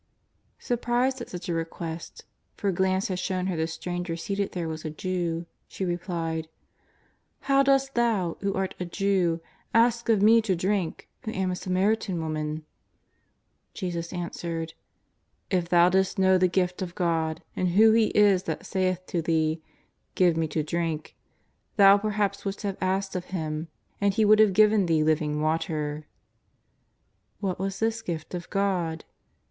'^ Surprised at such a request, for a glance had shown her the Stranger seated there was a Jew, she replied :" How dost Thou, who art a Jew, ask of me to drink who am a Samaritan woman ?" Jesus answered :'^ If thou didst know the gift of God and who He is that saith to thee : Give !Me to drink, thou perhaps wouldst have asked of Him and He would have given thee living water.'' What was this gift of God